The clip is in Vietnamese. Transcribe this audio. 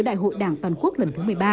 đại hội đảng toàn quốc lần thứ một mươi ba